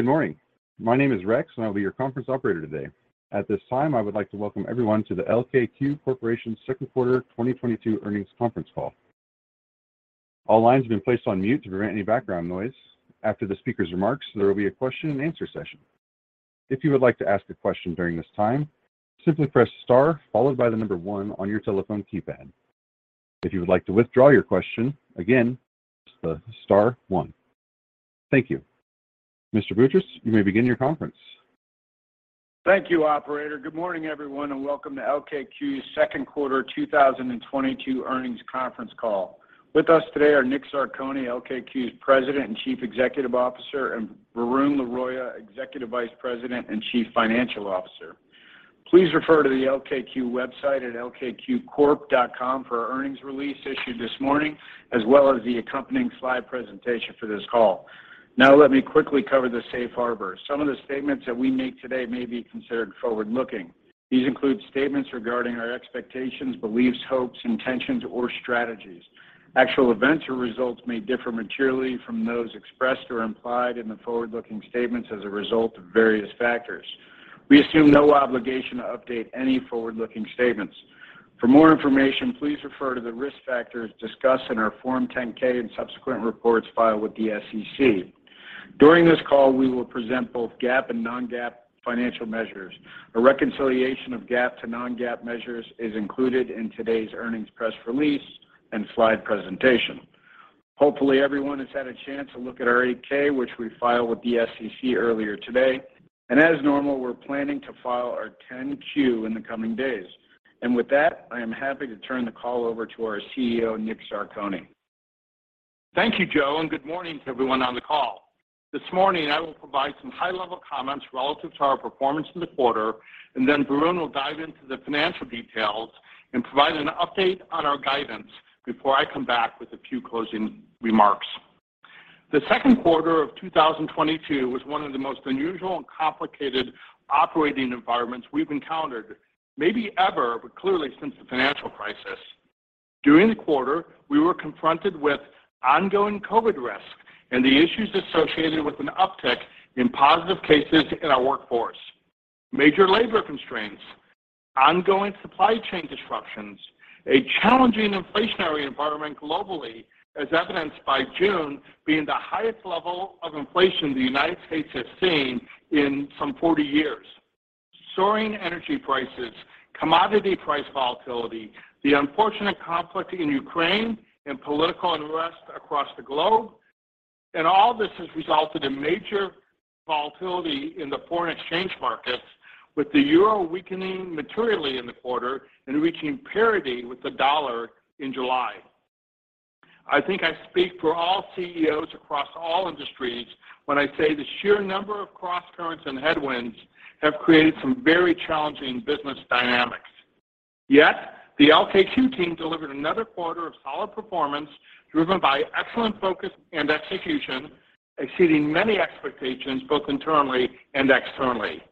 Good morning. My name is Rex, and I will be your conference operator today. At this time, I would like to welcome everyone to the LKQ Corporation second quarter 2022 earnings conference call. All lines have been placed on mute to prevent any background noise. After the speaker's remarks, there will be a question and answer session. If you would like to ask a question during this time, simply press star followed by the number one on your telephone keypad. If you would like to withdraw your question, again, press the star one. Thank you. Mr. Boutross, you may begin your conference. Thank you, operator. Good morning, everyone, and welcome to LKQ's second quarter 2022 earnings conference call. With us today are Nick Zarcone, LKQ's President and Chief Executive Officer, and Varun Laroyia, Executive Vice President and Chief Financial Officer. Please refer to the LKQ website at lkqcorp.com for our earnings release issued this morning, as well as the accompanying slide presentation for this call. Now let me quickly cover the safe harbor. Some of the statements that we make today may be considered forward-looking. These include statements regarding our expectations, beliefs, hopes, intentions, or strategies. Actual events or results may differ materially from those expressed or implied in the forward-looking statements as a result of various factors. We assume no obligation to update any forward-looking statements. For more information, please refer to the risk factors discussed in our Form 10-K and subsequent reports filed with the SEC. During this call, we will present both GAAP and non-GAAP financial measures. A reconciliation of GAAP to non-GAAP measures is included in today's earnings press release and slide presentation. Hopefully, everyone has had a chance to look at our 8-K which we filed with the SEC earlier today. As normal, we're planning to file our 10-Q in the coming days. With that, I am happy to turn the call over to our CEO, Nick Zarcone. Thank you, Joe, and good morning to everyone on the call. This morning, I will provide some high-level comments relative to our performance in the quarter, and then Varun will dive into the financial details and provide an update on our guidance before I come back with a few closing remarks. The second quarter of 2022 was one of the most unusual and complicated operating environments we've encountered maybe ever, but clearly since the financial crisis. During the quarter, we were confronted with ongoing COVID risk and the issues associated with an uptick in positive cases in our workforce, major labor constraints, ongoing supply chain disruptions, a challenging inflationary environment globally as evidenced by June being the highest level of inflation the United States has seen in some 40 years, soaring energy prices, commodity price volatility, the unfortunate conflict in Ukraine and political unrest across the globe. All this has resulted in major volatility in the foreign exchange markets, with the euro weakening materially in the quarter and reaching parity with the dollar in July. I think I speak for all CEOs across all industries when I say the sheer number of crosscurrents and headwinds have created some very challenging business dynamics. Yet, the LKQ team delivered another quarter of solid performance, driven by excellent focus and execution, exceeding many expectations, both internally and externally.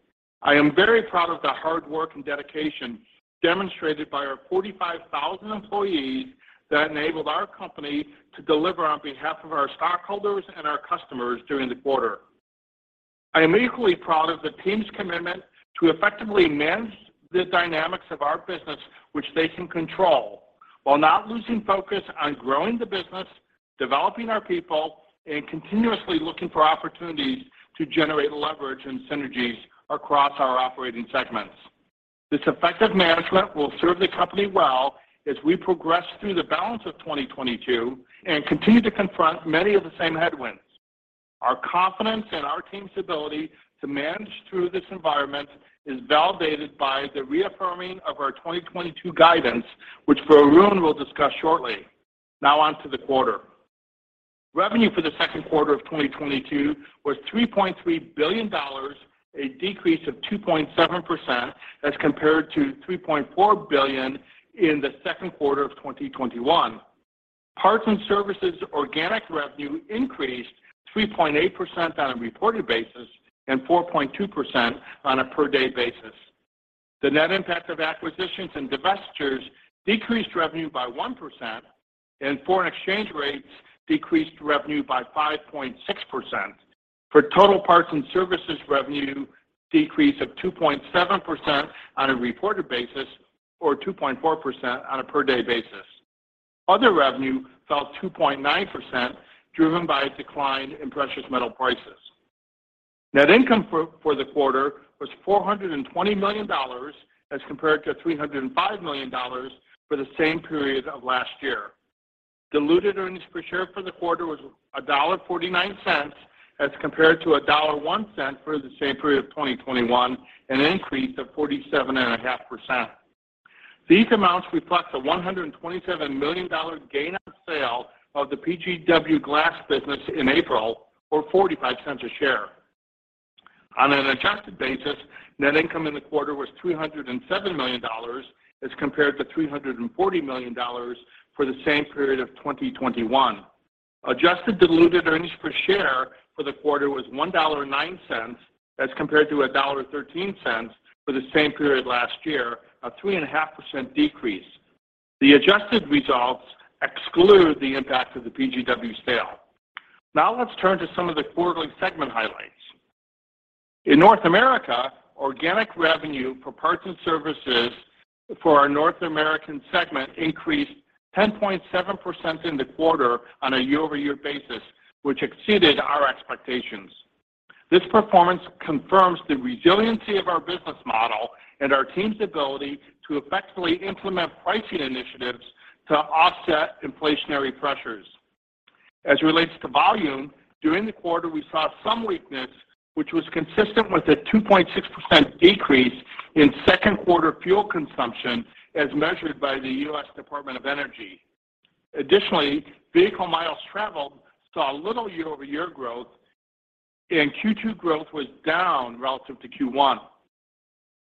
I am very proud of the hard work and dedication demonstrated by our 45,000 employees that enabled our company to deliver on behalf of our stockholders and our customers during the quarter. I am equally proud of the team's commitment to effectively manage the dynamics of our business which they can control while not losing focus on growing the business, developing our people, and continuously looking for opportunities to generate leverage and synergies across our operating segments. This effective management will serve the company well as we progress through the balance of 2022 and continue to confront many of the same headwinds. Our confidence in our team's ability to manage through this environment is validated by the reaffirming of our 2022 guidance, which Varun will discuss shortly. Now on to the quarter. Revenue for the second quarter of 2022 was $3.3 billion, a decrease of 2.7% as compared to $3.4 billion in the second quarter of 2021. Parts and Services organic revenue increased 3.8% on a reported basis and 4.2% on a per-day basis. The net impact of acquisitions and divestitures decreased revenue by 1%, and foreign exchange rates decreased revenue by 5.6% for total Parts and Services revenue decrease of 2.7% on a reported basis or 2.4% on a per-day basis. Other revenue fell 2.9%, driven by a decline in precious metal prices. Net income for the quarter was $420 million as compared to $305 million for the same period of last year. Diluted earnings per share for the quarter was $1.49 as compared to $1.01 for the same period of 2021, an increase of 47.5%. These amounts reflect a $127 million gain on sale of the PGW Auto Glass business in April or $0.45 a share. On an adjusted basis, net income in the quarter was $307 million as compared to $340 million for the same period of 2021. Adjusted diluted earnings per share for the quarter was $1.09 as compared to $1.13 for the same period last year, a 3.5% decrease. The adjusted results exclude the impact of the PGW Auto Glass sale. Now let's turn to some of the quarterly segment highlights. In North America, organic revenue for parts and services for our North American segment increased 10.7% in the quarter on a year-over-year basis, which exceeded our expectations. This performance confirms the resiliency of our business model and our team's ability to effectively implement pricing initiatives to offset inflationary pressures. As it relates to volume, during the quarter, we saw some weakness which was consistent with a 2.6% decrease in second quarter fuel consumption as measured by the U.S. Department of Energy. Additionally, vehicle miles traveled saw little year-over-year growth, and Q2 growth was down relative to Q1.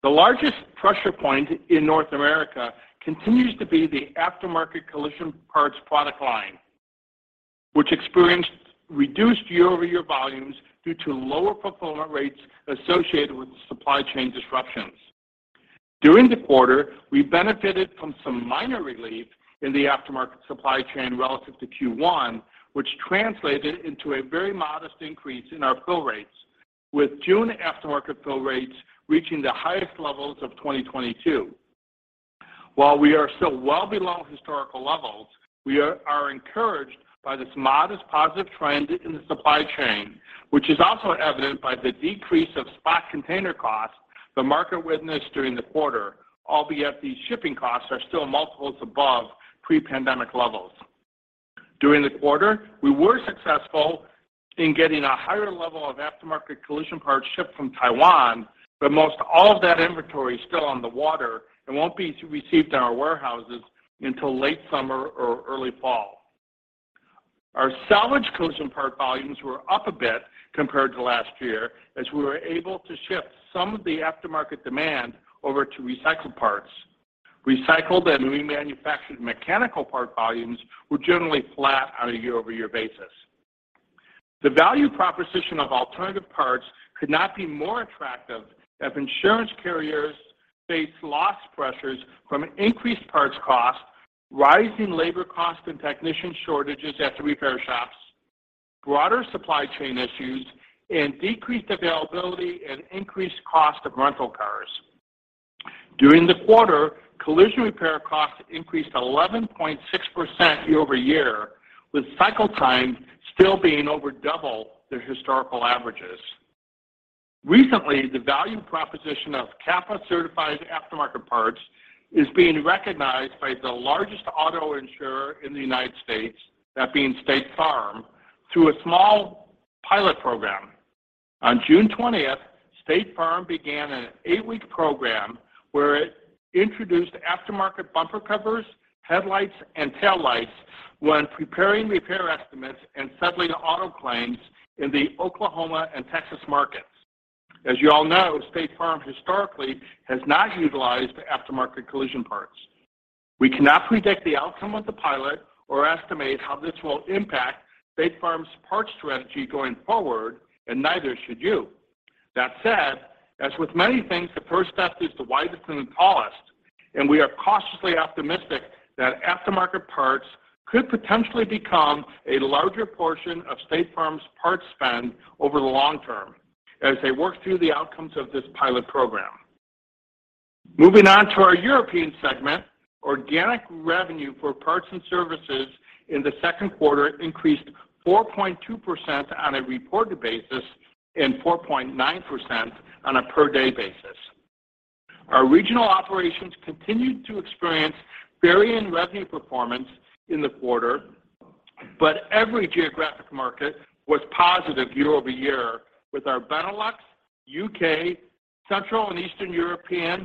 The largest pressure point in North America continues to be the aftermarket collision parts product line, which experienced reduced year-over-year volumes due to lower fulfillment rates associated with the supply chain disruptions. During the quarter, we benefited from some minor relief in the aftermarket supply chain relative to Q1, which translated into a very modest increase in our fill rates, with June aftermarket fill rates reaching the highest levels of 2022. While we are still well below historical levels, we are encouraged by this modest positive trend in the supply chain, which is also evident by the decrease of spot container costs the market witnessed during the quarter. Albeit these shipping costs are still multiples above pre-pandemic levels. During the quarter, we were successful in getting a higher level of aftermarket collision parts shipped from Taiwan, but most all of that inventory is still on the water and won't be received in our warehouses until late summer or early fall. Our salvage collision part volumes were up a bit compared to last year as we were able to shift some of the aftermarket demand over to recycled parts. Recycled and remanufactured mechanical part volumes were generally flat on a year-over-year basis. The value proposition of alternative parts could not be more attractive as insurance carriers face loss pressures from increased parts costs, rising labor costs and technician shortages at repair shops, broader supply chain issues, and decreased availability and increased cost of rental cars. During the quarter, collision repair costs increased 11.6% year-over-year, with cycle times still being over double their historical averages. Recently, the value proposition of CAPA certified aftermarket parts is being recognized by the largest auto insurer in the United States, that being State Farm, through a small pilot program. On June 20th, State Farm began an eight-week program where it introduced aftermarket bumper covers, headlights, and taillights when preparing repair estimates and settling auto claims in the Oklahoma and Texas markets. As you all know, State Farm historically has not utilized aftermarket collision parts. We cannot predict the outcome of the pilot or estimate how this will impact State Farm's parts strategy going forward, and neither should you. That said, as with many things, the first step is the widest and tallest, and we are cautiously optimistic that aftermarket parts could potentially become a larger portion of State Farm's parts spend over the long term as they work through the outcomes of this pilot program. Moving on to our European segment. Organic revenue for Parts and Services in the second quarter increased 4.2% on a reported basis and 4.9% on a per day basis. Our regional operations continued to experience varying revenue performance in the quarter, but every geographic market was positive year-over-year with our Benelux, UK, Central and Eastern European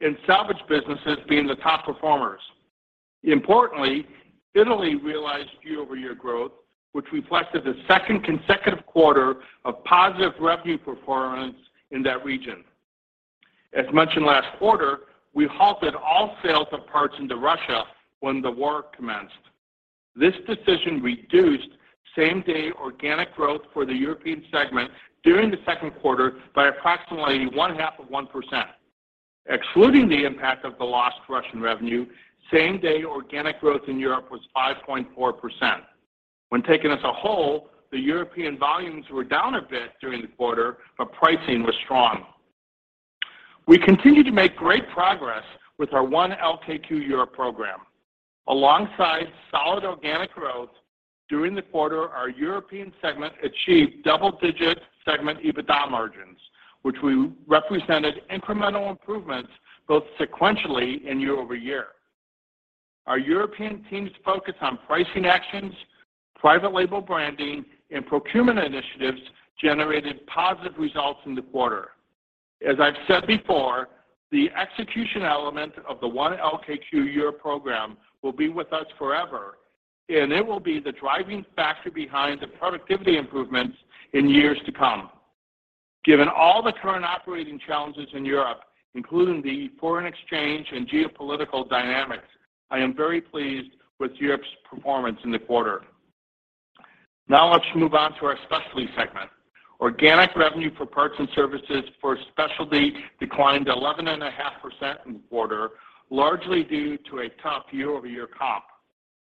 and salvage businesses being the top performers. Importantly, Italy realized year-over-year growth, which reflected the second consecutive quarter of positive revenue performance in that region. As mentioned last quarter, we halted all sales of parts into Russia when the war commenced. This decision reduced same-day organic growth for the European segment during the second quarter by approximately one half of one percent. Excluding the impact of the lost Russian revenue, same-day organic growth in Europe was 5.4%. When taken as a whole, the European volumes were down a bit during the quarter, but pricing was strong. We continue to make great progress with our One LKQ Europe program. Alongside solid organic growth during the quarter, our European segment achieved double-digit segment EBITDA margins, which represented incremental improvements both sequentially and year-over-year. Our European team's focus on pricing actions, private label branding, and procurement initiatives generated positive results in the quarter. As I've said before, the execution element of the One LKQ Europe program will be with us forever, and it will be the driving factor behind the productivity improvements in years to come. Given all the current operating challenges in Europe, including the foreign exchange and geopolitical dynamics, I am very pleased with Europe's performance in the quarter. Now let's move on to our specialty segment. Organic revenue for parts and services for specialty declined 11.5% in the quarter, largely due to a tough year-over-year comp.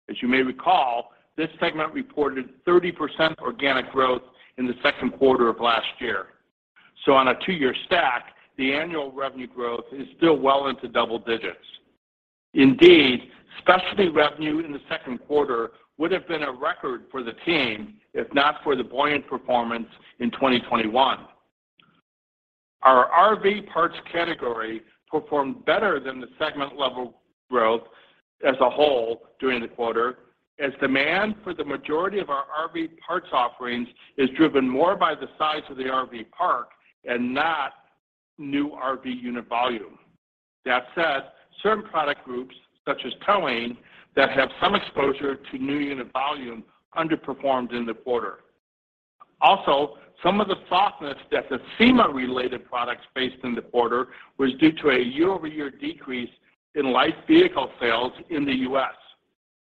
As you may recall, this segment reported 30% organic growth in the second quarter of last year. On a two year stack, the annual revenue growth is still well into double digits. Indeed, specialty revenue in the second quarter would have been a record for the team, if not for the buoyant performance in 2021. Our RV parts category performed better than the segment level growth as a whole during the quarter, as demand for the majority of our RV parts offerings is driven more by the size of the RV park and not new RV unit volume. That said, certain product groups, such as towing, that have some exposure to new unit volume underperformed in the quarter. Also, some of the softness that the SEMA-related products faced in the quarter was due to a year-over-year decrease in light vehicle sales in the U.S.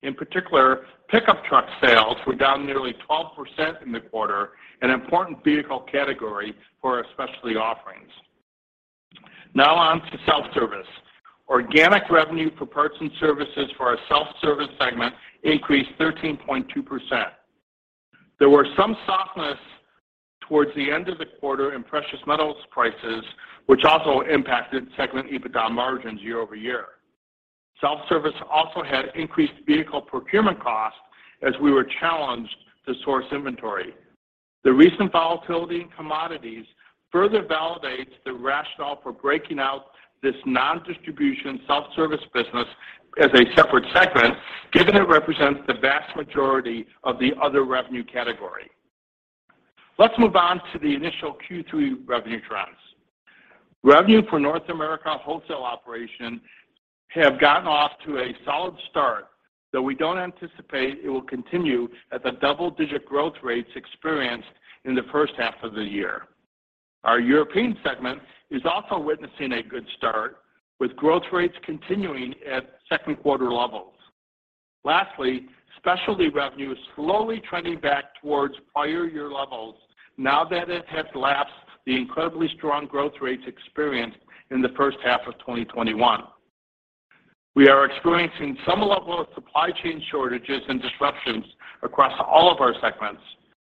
In particular, pickup truck sales were down nearly 12% in the quarter, an important vehicle category for our specialty offerings. Now on to self-service. Organic revenue for parts and services for our self-service segment increased 13.2%. There were some softness towards the end of the quarter in precious metals prices, which also impacted segment EBITDA margins year-over-year. Self-service also had increased vehicle procurement costs as we were challenged to source inventory. The recent volatility in commodities further validates the rationale for breaking out this non-distribution self-service business as a separate segment, given it represents the vast majority of the other revenue category. Let's move on to the initial Q3 revenue trends. Revenue for Wholesale North America operations have gotten off to a solid start, though we don't anticipate it will continue at the double-digit growth rates experienced in the first half of the year. Our European segment is also witnessing a good start, with growth rates continuing at second quarter levels. Lastly, specialty revenue is slowly trending back towards prior year levels now that it has lapsed the incredibly strong growth rates experienced in the first half of 2021. We are experiencing some level of supply chain shortages and disruptions across all of our segments.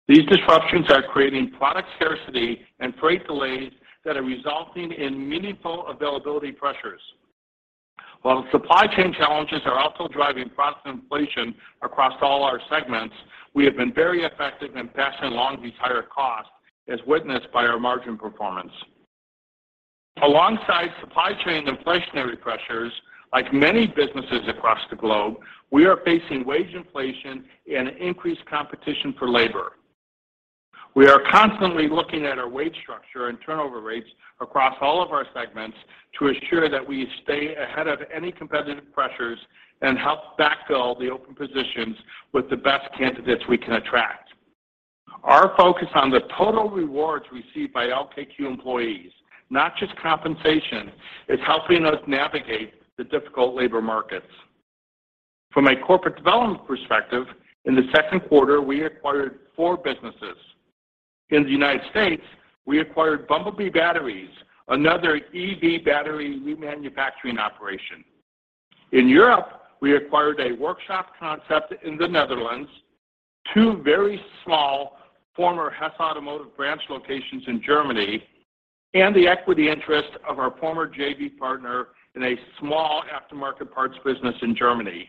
These disruptions are creating product scarcity and freight delays that are resulting in meaningful availability pressures. While supply chain challenges are also driving product inflation across all our segments, we have been very effective in passing along these higher costs, as witnessed by our margin performance. Alongside supply chain inflationary pressures, like many businesses across the globe, we are facing wage inflation and increased competition for labor. We are constantly looking at our wage structure and turnover rates across all of our segments to ensure that we stay ahead of any competitive pressures and help backfill the open positions with the best candidates we can attract. Our focus on the total rewards received by LKQ employees, not just compensation, is helping us navigate the difficult labor markets. From a corporate development perspective, in the second quarter, we acquired four businesses. In the United States, we acquired Bumblebee Batteries, another EV battery remanufacturing operation. In Europe, we acquired a workshop concept in the Netherlands, two very small former Hess Automobile branch locations in Germany, and the equity interest of our former JV partner in a small aftermarket parts business in Germany.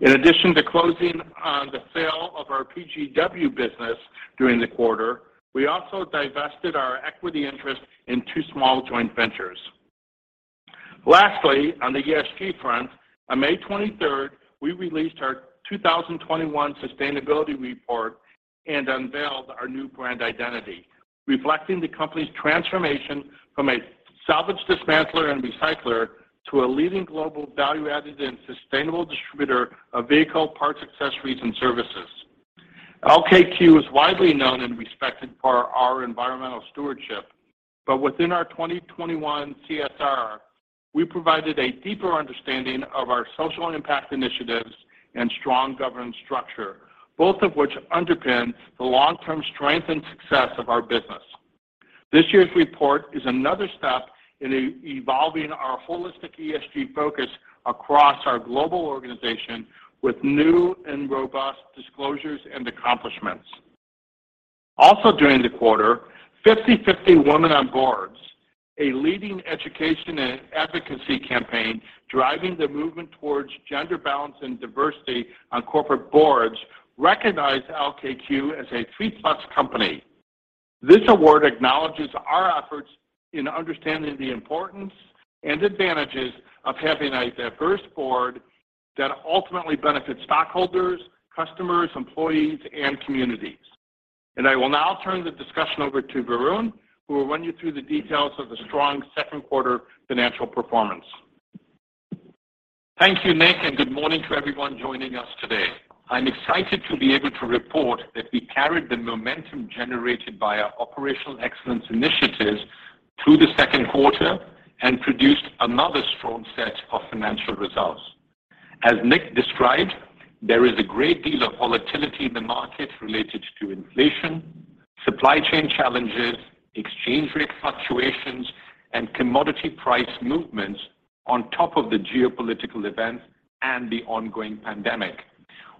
In addition to closing on the sale of our PGW business during the quarter, we also divested our equity interest in two small joint ventures. Lastly, on the ESG front, on May 23rd, we released our 2021 sustainability report and unveiled our new brand identity, reflecting the company's transformation from a salvage dismantler and recycler to a leading global value-added and sustainable distributor of vehicle parts, accessories, and services. LKQ is widely known and respected for our environmental stewardship. Within our 2021 CSR, we provided a deeper understanding of our social impact initiatives and strong governance structure, both of which underpin the long-term strength and success of our business. This year's report is another step in evolving our holistic ESG focus across our global organization with new and robust disclosures and accomplishments. Also during the quarter, 50/50 Women on Boards, a leading education and efficacy campaign driving the movement towards gender balance and diversity on corporate boards, recognized LKQ as a three plus company. This award acknowledges our efforts in understanding the importance and advantages of having a diverse board that ultimately benefits stockholders, customers, employees, and communities. I will now turn the discussion over to Varun, who will run you through the details of the strong second quarter financial performance. Thank you, Nick, and good morning to everyone joining us today. I'm excited to be able to report that we carried the momentum generated by our operational excellence initiatives through the second quarter and produced another strong set of financial results. As Nick described, there is a great deal of volatility in the market related to inflation, supply chain challenges, exchange rate fluctuations, and commodity price movements on top of the geopolitical events and the ongoing pandemic.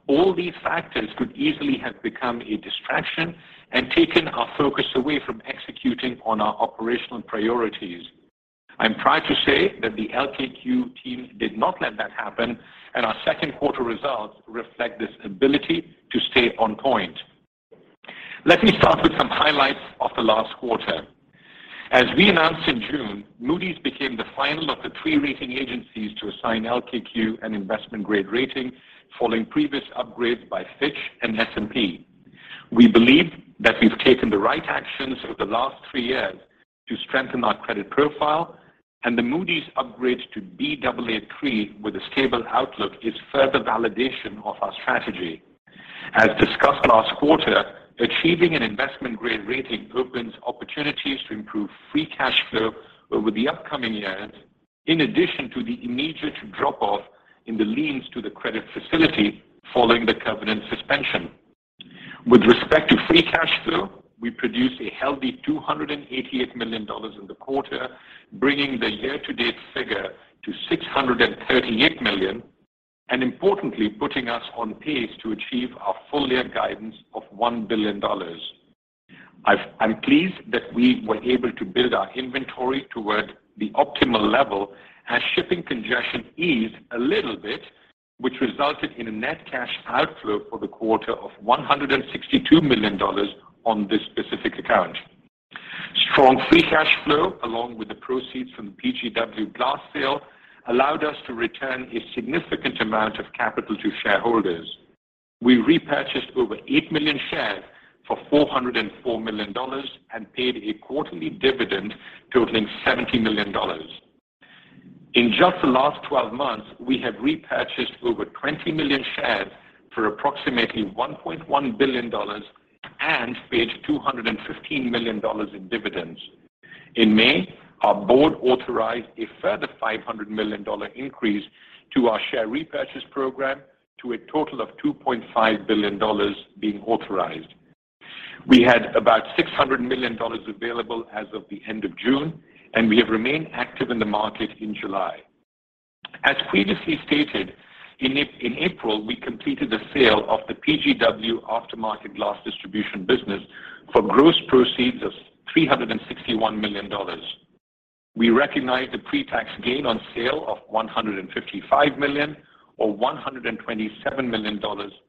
All these factors could easily have become a distraction and taken our focus away from executing on our operational priorities. I'm proud to say that the LKQ team did not let that happen, and our second quarter results reflect this ability to stay on point. Let me start with some highlights of the last quarter. As we announced in June, Moody's became the final of the three rating agencies to assign LKQ an investment-grade rating following previous upgrades by Fitch and S&P. We believe that we've taken the right actions over the last three years to strengthen our credit profile, and the Moody's upgrade to Baa3 with a stable outlook is further validation of our strategy. As discussed last quarter, achieving an investment-grade rating opens opportunities to improve free cash flow over the upcoming years in addition to the immediate drop-off in the liens to the credit facility following the covenant suspension. With respect to free cash flow, we produced a healthy $288 million in the quarter, bringing the year-to-date figure to $638 million, and importantly, putting us on pace to achieve our full-year guidance of $1 billion. I'm pleased that we were able to build our inventory toward the optimal level as shipping congestion eased a little bit, which resulted in a net cash outflow for the quarter of $162 million on this specific account. Strong free cash flow, along with the proceeds from the PGW glass sale, allowed us to return a significant amount of capital to shareholders. We repurchased over 8 million shares for $404 million and paid a quarterly dividend totaling $70 million. In just the last twelve months, we have repurchased over 20 million shares for approximately $1.1 billion and paid $215 million in dividends. In May, our board authorized a further $500 million increase to our share repurchase program to a total of $2.5 billion being authorized. We had about $600 million available as of the end of June, and we have remained active in the market in July. As previously stated, in April, we completed the sale of the PGW aftermarket glass distribution business for gross proceeds of $361 million. We recognized a pretax gain on sale of $155 million or $127 million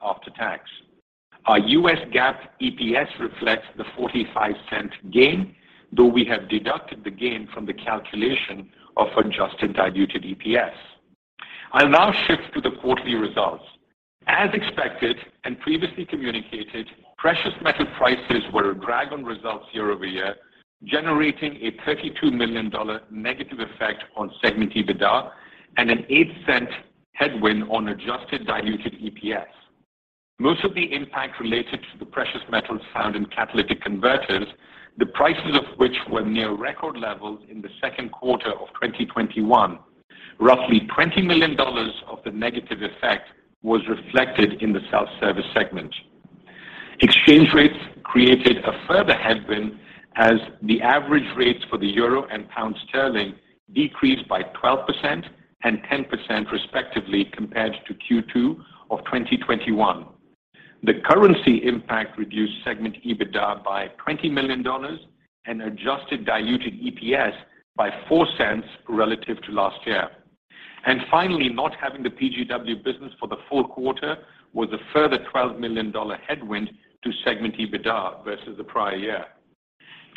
after tax. Our U.S. GAAP EPS reflects the $0.45 gain, though we have deducted the gain from the calculation of adjusted diluted EPS. I'll now shift to the quarterly results. As expected and previously communicated, precious metal prices were a drag on results year-over-year, generating a $32 million negative effect on segment EBITDA and an $0.08 headwind on adjusted diluted EPS. Most of the impact related to the precious metals found in catalytic converters, the prices of which were near record levels in the second quarter of 2021. Roughly $20 million of the negative effect was reflected in the self-service segment. Exchange rates created a further headwind as the average rates for the euro and pound sterling decreased by 12% and 10% respectively compared to Q2 of 2021. The currency impact reduced segment EBITDA by $20 million and adjusted diluted EPS by $0.04 relative to last year. Finally, not having the PGW business for the full quarter was a further $12 million headwind to segment EBITDA versus the prior year.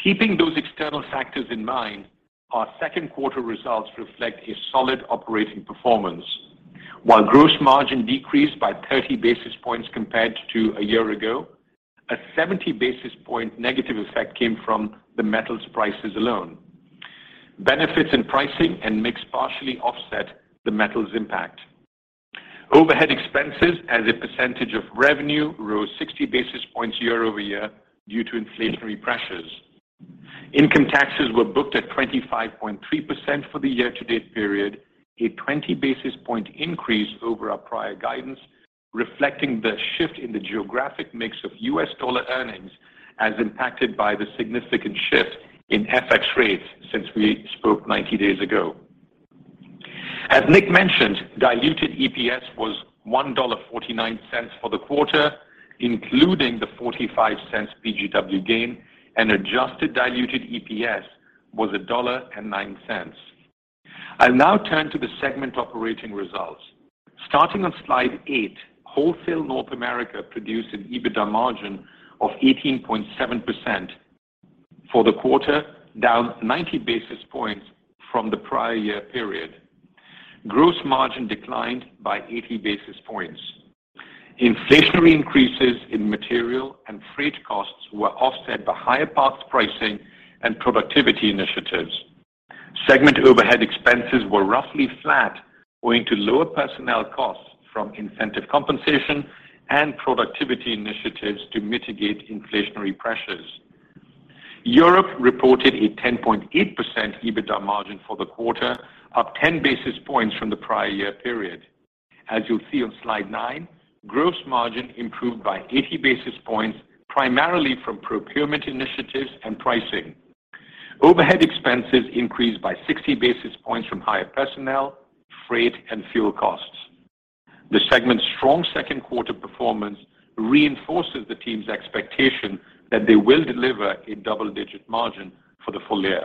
Keeping those external factors in mind, our second quarter results reflect a solid operating performance. While gross margin decreased by 30 basis points compared to a year ago, a 70 basis point negative effect came from the metals prices alone. Benefits in pricing and mix partially offset the metals impact. Overhead expenses as a percentage of revenue rose 60 basis points year-over-year due to inflationary pressures. Income taxes were booked at 25.3% for the year-to-date period, a 20 basis point increase over our prior guidance, reflecting the shift in the geographic mix of US dollar earnings as impacted by the significant shift in FX rates since we spoke 90 days ago. As Nick mentioned, diluted EPS was $1.49 for the quarter, including the $0.45 PGW gain, and adjusted diluted EPS was $1.09. I'll now turn to the segment operating results. Starting on slide eight, Wholesale North America produced an EBITDA margin of 18.7% for the quarter, down 90 basis points from the prior year period. Gross margin declined by 80 basis points. Inflationary increases in material and freight costs were offset by higher parts pricing and productivity initiatives. Segment overhead expenses were roughly flat owing to lower personnel costs from incentive compensation and productivity initiatives to mitigate inflationary pressures. Europe reported a 10.8% EBITDA margin for the quarter, up 10 basis points from the prior year period. As you'll see on slide nine, gross margin improved by 80 basis points, primarily from procurement initiatives and pricing. Overhead expenses increased by 60 basis points from higher personnel, freight, and fuel costs. The segment's strong second quarter performance reinforces the team's expectation that they will deliver a double-digit margin for the full-year.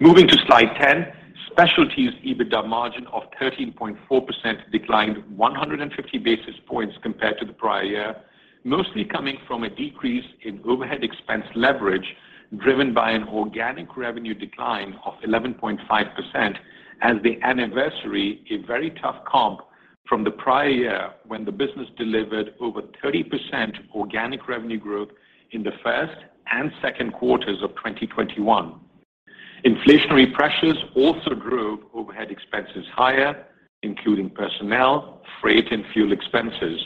Moving to slide 10. Specialty's EBITDA margin of 13.4% declined 150 basis points compared to the prior year, mostly coming from a decrease in overhead expense leverage, driven by an organic revenue decline of 11.5% as they anniversary a very tough comp from the prior year when the business delivered over 30% organic revenue growth in the first and second quarters of 2021. Inflationary pressures also drove overhead expenses higher, including personnel, freight, and fuel expenses.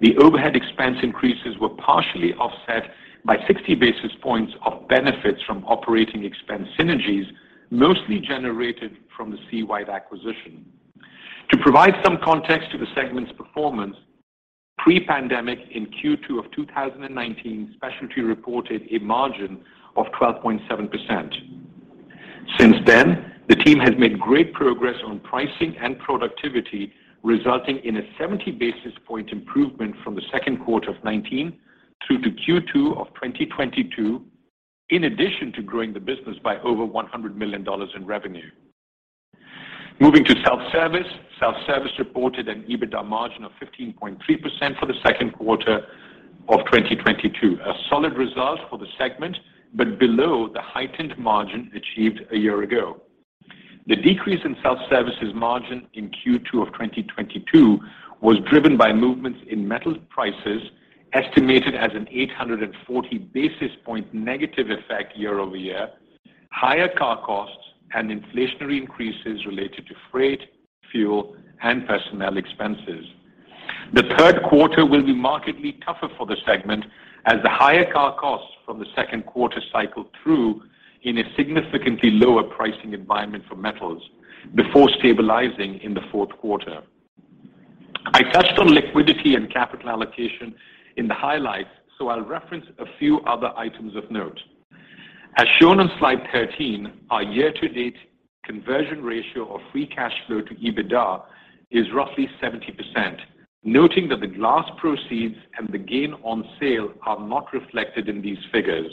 The overhead expense increases were partially offset by 60 basis points of benefits from operating expense synergies, mostly generated from the SeaWide acquisition. To provide some context to the segment's performance, pre-pandemic in Q2 of 2019, Specialty reported a margin of 12.7%. Since then, the team has made great progress on pricing and productivity, resulting in a 70 basis point improvement from the second quarter of 2019 through to Q2 of 2022, in addition to growing the business by over $100 million in revenue. Moving to Self Service. Self Service reported an EBITDA margin of 15.3% for the second quarter of 2022. A solid result for the segment, but below the heightened margin achieved a year ago. The decrease in Self Service's margin in Q2 of 2022 was driven by movements in metal prices, estimated as an 840 basis point negative effect year-over-year, higher car costs, and inflationary increases related to freight, fuel, and personnel expenses. The third quarter will be markedly tougher for the segment as the higher car costs from the second quarter cycle through in a significantly lower pricing environment for metals before stabilizing in the fourth quarter. I touched on liquidity and capital allocation in the highlights, so I'll reference a few other items of note. As shown on slide 13, our year-to-date conversion ratio of free cash flow to EBITDA is roughly 70%. Noting that the glass proceeds and the gain on sale are not reflected in these figures.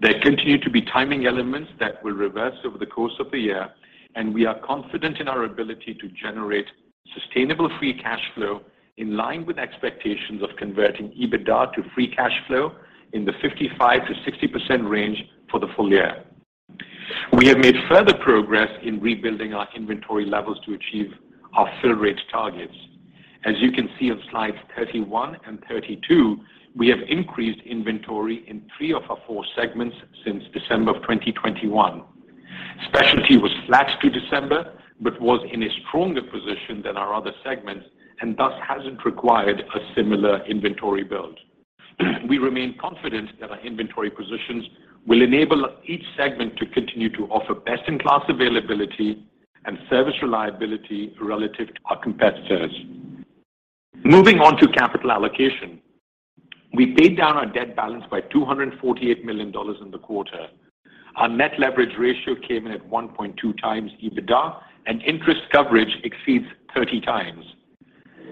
There continue to be timing elements that will reverse over the course of the year, and we are confident in our ability to generate sustainable free cash flow in line with expectations of converting EBITDA to free cash flow in the 55%-60% range for the full-year. We have made further progress in rebuilding our inventory levels to achieve our fill rate targets. As you can see on slides 31 and 32, we have increased inventory in 3/4 segments since December 2021. Specialty was flat through December, but was in a stronger position than our other segments and thus hasn't required a similar inventory build. We remain confident that our inventory positions will enable each segment to continue to offer best-in-class availability and service reliability relative to our competitors. Moving on to capital allocation. We paid down our debt balance by $248 million in the quarter. Our net leverage ratio came in at 1.2x EBITDA, and interest coverage exceeds 30x.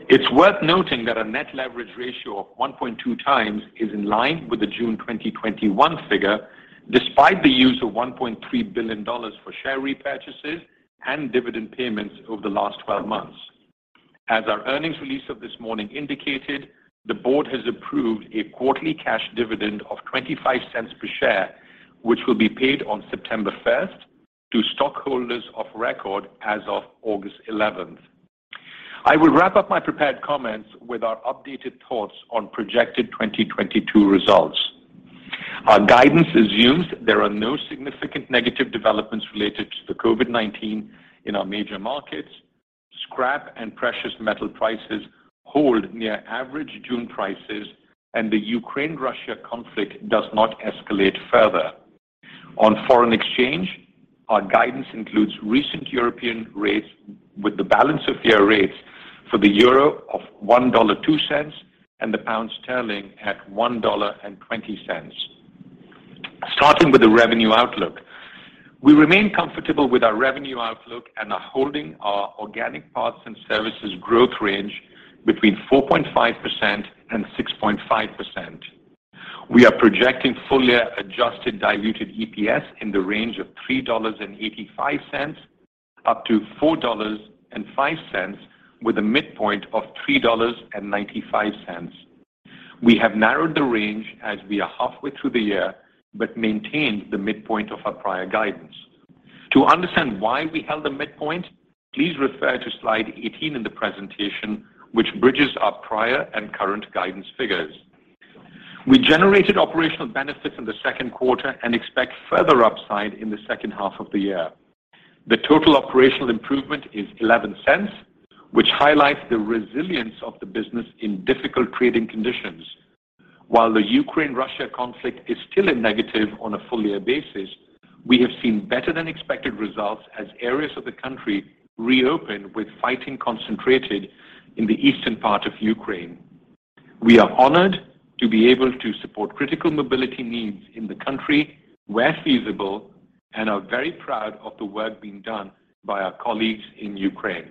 It's worth noting that our net leverage ratio of 1.2x is in line with the June 2021 figure, despite the use of $1.3 billion for share repurchases and dividend payments over the last 12 months. As our earnings release of this morning indicated, the board has approved a quarterly cash dividend of $0.25 per share, which will be paid on September first to stockholders of record as of August eleventh. I will wrap up my prepared comments with our updated thoughts on projected 2022 results. Our guidance assumes there are no significant negative developments related to the COVID-19 in our major markets, scrap and precious metal prices hold near average June prices, and the Ukraine-Russia conflict does not escalate further. On foreign exchange, our guidance includes recent European rates with the balance of year rates for the euro of $1.02 and the pound sterling at $1.20. Starting with the revenue outlook. We remain comfortable with our revenue outlook and are holding our organic parts and services growth range between 4.5% and 6.5%. We are projecting full-year adjusted diluted EPS in the range of $3.85 up to $4.05 with a midpoint of $3.95. We have narrowed the range as we are halfway through the year, but maintained the midpoint of our prior guidance. To understand why we held the midpoint, please refer to slide 18 in the presentation, which bridges our prior and current guidance figures. We generated operational benefits in the second quarter and expect further upside in the second half of the year. The total operational improvement is $0.11, which highlights the resilience of the business in difficult trading conditions. While the Ukraine-Russia conflict is still a negative on a full-year basis, we have seen better than expected results as areas of the country reopen with fighting concentrated in the eastern part of Ukraine. We are honored to be able to support critical mobility needs in the country where feasible and are very proud of the work being done by our colleagues in Ukraine.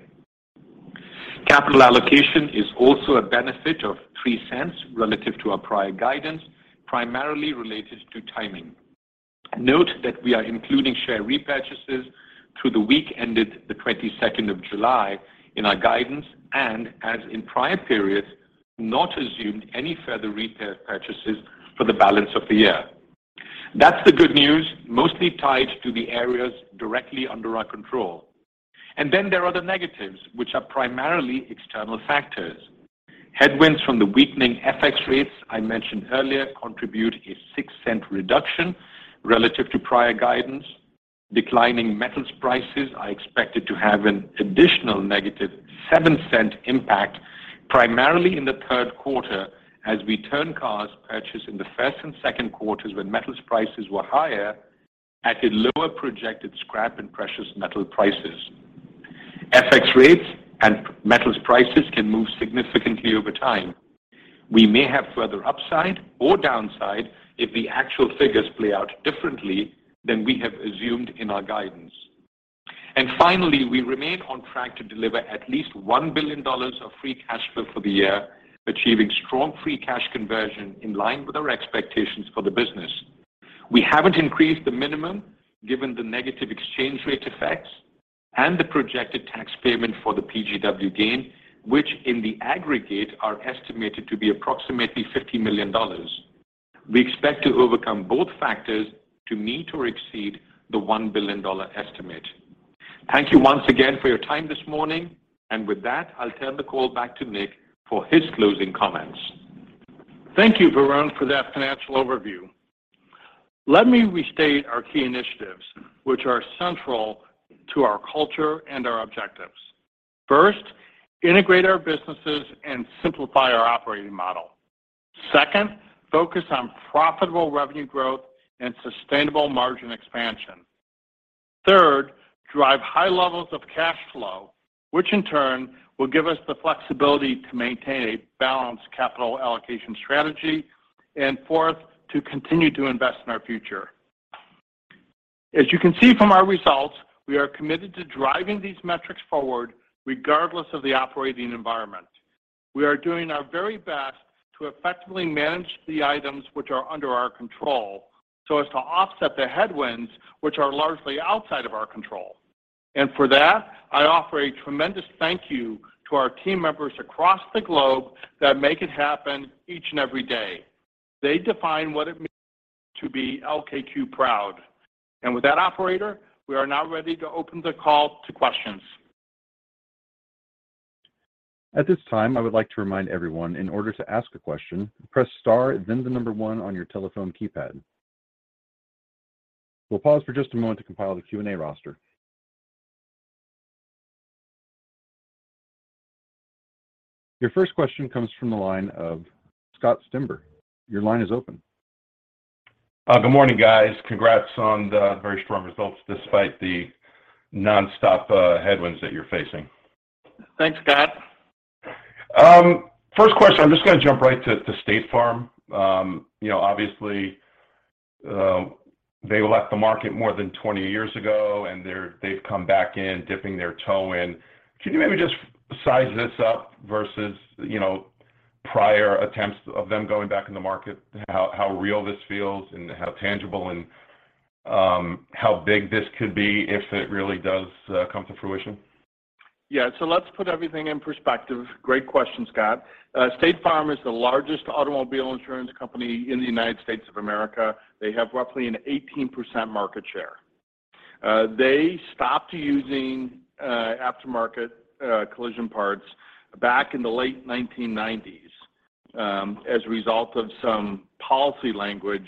Capital allocation is also a benefit of $0.03 relative to our prior guidance, primarily related to timing. Note that we are including share repurchases through the week ended the 22nd of July in our guidance, and as in prior periods, not assuming any further share repurchases for the balance of the year. That's the good news, mostly tied to the areas directly under our control. Then there are the negatives, which are primarily external factors. Headwinds from the weakening FX rates I mentioned earlier contribute a $0.06 reduction relative to prior guidance. Declining metals prices are expected to have an additional negative $0.07 impact, primarily in the third quarter as we turn cars purchased in the first and second quarters when metals prices were higher at the lower projected scrap and precious metal prices. FX rates and metals prices can move significantly over time. We may have further upside or downside if the actual figures play out differently than we have assumed in our guidance. Finally, we remain on track to deliver at least $1 billion of free cash flow for the year, achieving strong free cash conversion in line with our expectations for the business. We haven't increased the minimum given the negative exchange rate effects and the projected tax payment for the PGW gain, which in the aggregate, are estimated to be approximately $50 million. We expect to overcome both factors to meet or exceed the $1 billion estimate. Thank you once again for your time this morning. With that, I'll turn the call back to Nick for his closing comments. Thank you, Varun, for that financial overview. Let me restate our key initiatives, which are central to our culture and our objectives. First, integrate our businesses and simplify our operating model. Second, focus on profitable revenue growth and sustainable margin expansion. Third, drive high levels of cash flow, which in turn will give us the flexibility to maintain a balanced capital allocation strategy. Fourth, to continue to invest in our future. As you can see from our results, we are committed to driving these metrics forward regardless of the operating environment. We are doing our very best to effectively manage the items which are under our control so as to offset the headwinds which are largely outside of our control. For that, I offer a tremendous thank you to our team members across the globe that make it happen each and every day. They define what it means to be LKQ Proud. With that operator, we are now ready to open the call to questions. At this time, I would like to remind everyone, in order to ask a question, press star and then the number one on your telephone keypad. We'll pause for just a moment to compile the Q&A roster. Your first question comes from the line of Scott Stember. Your line is open. Good morning, guys. Congrats on the very strong results despite the nonstop headwinds that you're facing. Thanks, Scott. First question, I'm just gonna jump right to State Farm. You know, obviously, they left the market more than 20 years ago, and they've come back in, dipping their toe in. Can you maybe just size this up versus, you know, prior attempts of them going back in the market, how real this feels and how tangible and how big this could be if it really does come to fruition? Yeah. Let's put everything in perspective. Great question, Scott. State Farm is the largest automobile insurance company in the United States of America. They have roughly an 18% market share. They stopped using aftermarket collision parts back in the late 1990s as a result of some policy language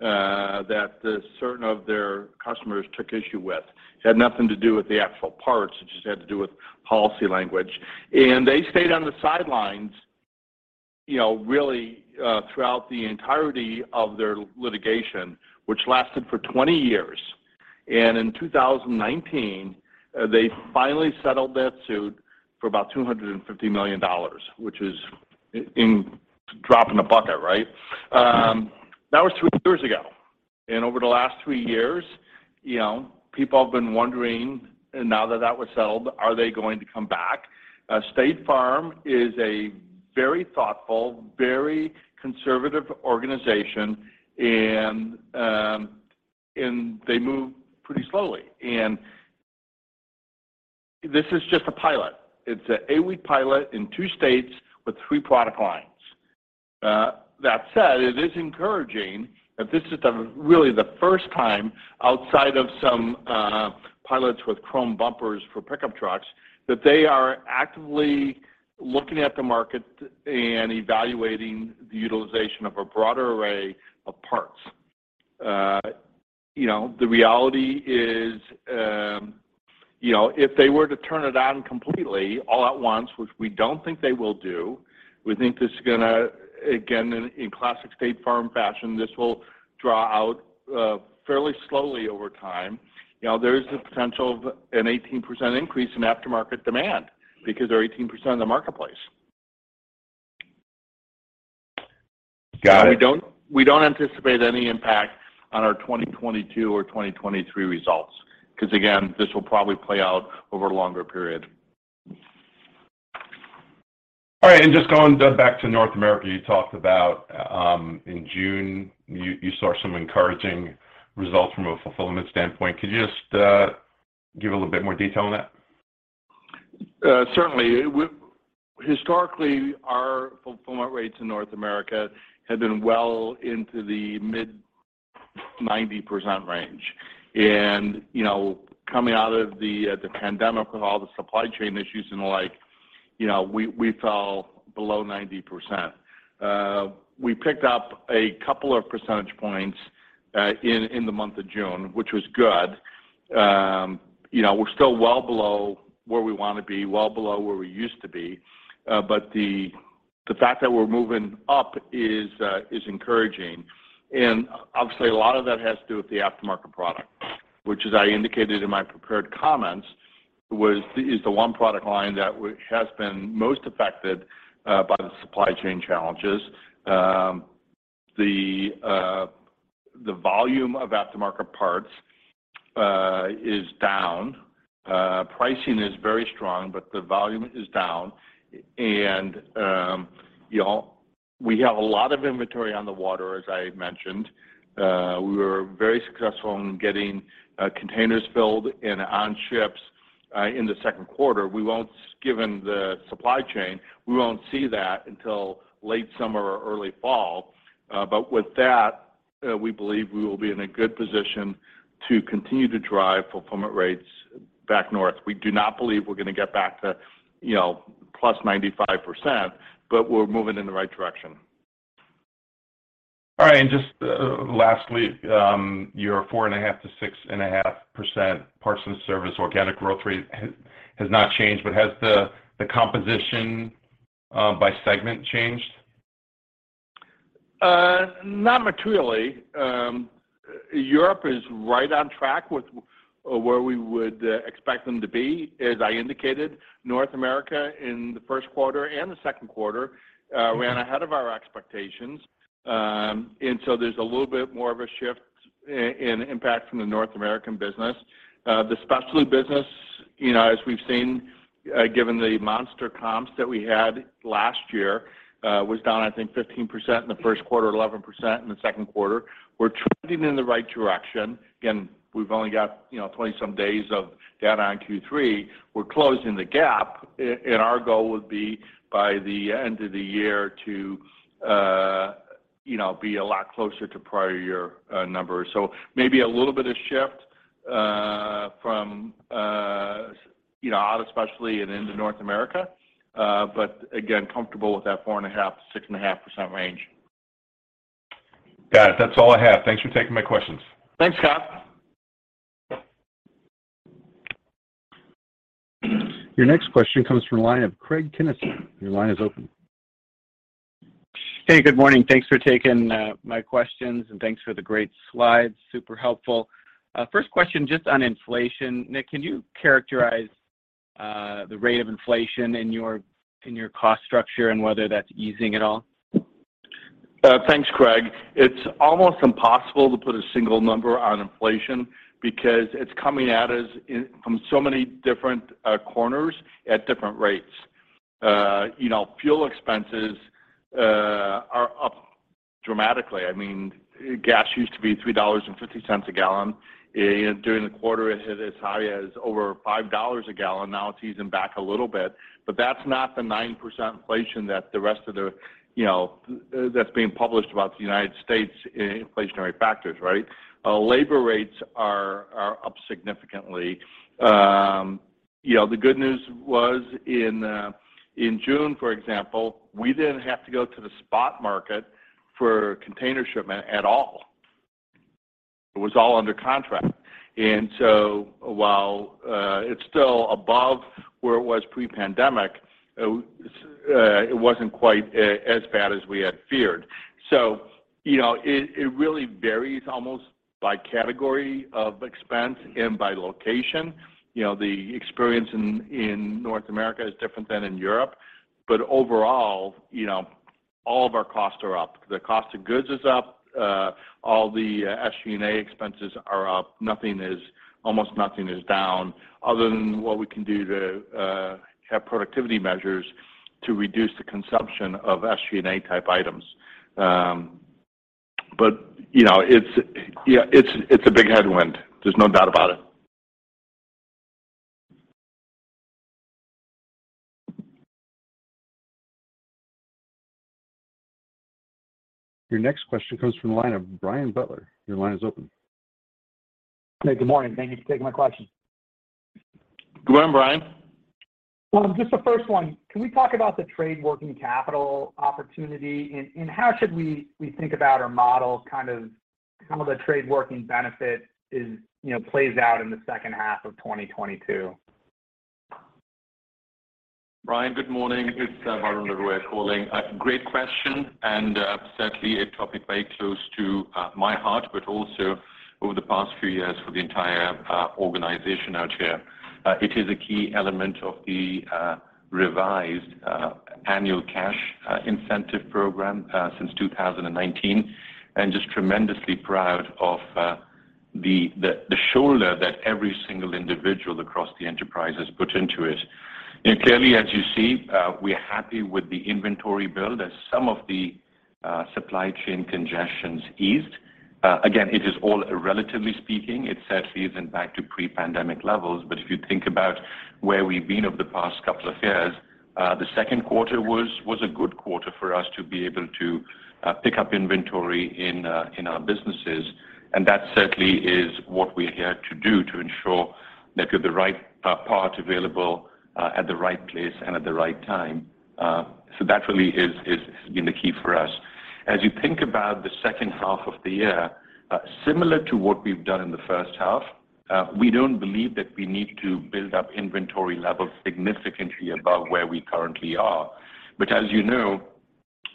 that certain of their customers took issue with. It had nothing to do with the actual parts. It just had to do with policy language. They stayed on the sidelines, you know, really, throughout the entirety of their litigation, which lasted for 20 years. In 2019, they finally settled that suit for about $250 million, which is a drop in the bucket, right? That was three years ago. Over the last three years, you know, people have been wondering, and now that that was settled, are they going to come back? State Farm is a very thoughtful, very conservative organization and they move pretty slowly. This is just a pilot. It's an eight week pilot in two states with three product lines. That said, it is encouraging that this is really the first time outside of some pilots with chrome bumpers for pickup trucks, that they are actively looking at the market and evaluating the utilization of a broader array of parts. You know, the reality is, you know, if they were to turn it on completely all at once, which we don't think they will do, we think this is gonna, again, in classic State Farm fashion, this will draw out fairly slowly over time. You know, there is the potential of an 18% increase in aftermarket demand because they're 18% of the marketplace. Got it. We don't anticipate any impact on our 2022 or 2023 results because, again, this will probably play out over a longer period. All right. Just going back to North America, you talked about in June, you saw some encouraging results from a fulfillment standpoint. Could you just give a little bit more detail on that? Certainly. Historically, our fulfillment rates in North America have been well into the mid 90% range. You know, coming out of the pandemic with all the supply chain issues and the like, you know, we fell below 90%. We picked up a couple of percentage points in the month of June, which was good. You know, we're still well below where we wanna be, well below where we used to be. But the fact that we're moving up is encouraging. Obviously, a lot of that has to do with the aftermarket product, which as I indicated in my prepared comments, is the one product line that has been most affected by the supply chain challenges. The volume of aftermarket parts is down. Pricing is very strong, but the volume is down. You know, we have a lot of inventory on the water, as I mentioned. We were very successful in getting containers filled and on ships in the second quarter. Given the supply chain, we won't see that until late summer or early fall. But with that, we believe we will be in a good position to continue to drive fulfillment rates back north. We do not believe we're gonna get back to, you know, +95%, but we're moving in the right direction. All right. Just lastly, your 4.5%-6.5% parts and service organic growth rate has not changed, but has the composition by segment changed? Not materially. Europe is right on track with where we would expect them to be. As I indicated, North America in the first quarter and the second quarter ran ahead of our expectations. There's a little bit more of a shift in impact from the North American business. The specialty business, you know, as we've seen, given the monster comps that we had last year, was down, I think 15% in the first quarter, 11% in the second quarter. We're trending in the right direction. Again, we've only got, you know, 20 some days of data on Q3. We're closing the gap. Our goal would be by the end of the year to, you know, be a lot closer to prior year numbers. Maybe a little bit of shift from, you know, out of specialty and into North America, but again, comfortable with that 4.5%-6.5% range. Got it. That's all I have. Thanks for taking my questions. Thanks, Scott. Your next question comes from the line of Craig Kennison. Your line is open. Hey, good morning. Thanks for taking my questions, and thanks for the great slides. Super helpful. First question just on inflation. Nick, can you characterize the rate of inflation in your cost structure and whether that's easing at all? Thanks, Craig. It's almost impossible to put a single number on inflation because it's coming at us from so many different corners at different rates. You know, fuel expenses are up dramatically. I mean, gas used to be $3.50 a gallon. You know, during the quarter, it hit as high as over $5 a gallon. Now it's easing back a little bit, but that's not the 9% inflation that the rest of the you know, that's being published about the United States inflationary factors, right? Labor rates are up significantly. You know, the good news was in June, for example, we didn't have to go to the spot market for container shipment at all. It was all under contract. While it's still above where it was pre-pandemic, it wasn't quite as bad as we had feared. You know, it really varies almost by category of expense and by location. You know, the experience in North America is different than in Europe. Overall, you know, all of our costs are up. The cost of goods is up. All the SG&A expenses are up. Almost nothing is down other than what we can do to have productivity measures to reduce the consumption of SG&A type items. You know, yeah, it's a big headwind. There's no doubt about it. Your next question comes from the line of Brian Butler. Your line is open. Hey, good morning. Thank you for taking my question. Good morning, Brian. Well, just the first one, can we talk about the trade working capital opportunity and how should we think about our model, kind of some of the trade working benefit, you know, plays out in the second half of 2022? Brian, good morning. It's Varun Laroyia calling. A great question. Certainly a topic very close to my heart, but also over the past few years for the entire organization out here. It is a key element of the revised annual cash incentive program since 2019, and just tremendously proud of the shoulder that every single individual across the enterprise has put into it. You know, clearly, as you see, we're happy with the inventory build as some of the supply chain congestions eased. Again, it is all relatively speaking. It certainly isn't back to pre-pandemic levels. If you think about where we've been over the past couple of years, the second quarter was a good quarter for us to be able to pick up inventory in our businesses. That certainly is what we're here to do, to ensure that we have the right part available at the right place and at the right time. That really has been the key for us. As you think about the second half of the year, similar to what we've done in the first half, we don't believe that we need to build up inventory levels significantly above where we currently are. As you know,